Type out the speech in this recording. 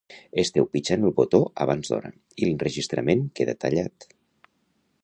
Esteu pitjant el botó abans d'hora i l'enregistrament queda tallat